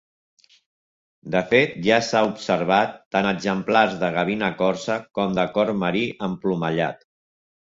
De fet ja s’ha observat tant exemplars de gavina corsa com de corb marí emplomallat.